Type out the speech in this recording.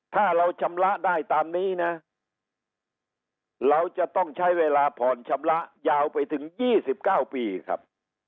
ถ้าเราชำระได้ตามนี้นะเราจะต้องใช้เวลาผ่อนชำระยาวไปถึง๒๙ปีครับ